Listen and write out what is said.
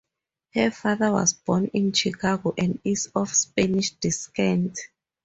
Her father was born in Chicago and is of Spanish descent.